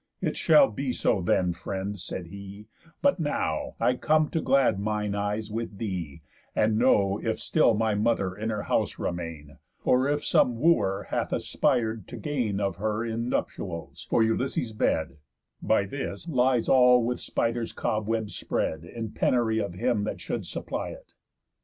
"It shall be so then, friend," said he, "but now I come to glad mine eyes with thee, and know If still my mother in her house remain, Or if some Wooer hath aspir'd to gain Of her in nuptials; for Ulysses' bed, By this, lies all with spiders's cobwebs spread, In penury of him that should supply it."